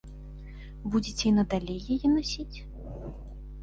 Будзеце і надалей яе насіць?